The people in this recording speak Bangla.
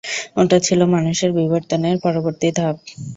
ওটা ছিল মানুষের বিবর্তনের পরবর্তী ধাপ।